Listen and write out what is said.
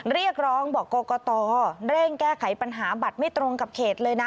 เรียกร้องบอกกรกตเร่งแก้ไขปัญหาบัตรไม่ตรงกับเขตเลยนะ